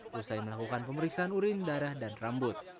selesai melakukan pemeriksaan urin darah dan rambut